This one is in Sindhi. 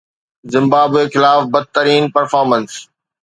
زمبابوي خلاف بدترين پرفارمنس